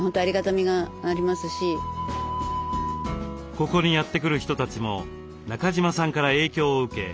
ここにやって来る人たちも中島さんから影響を受け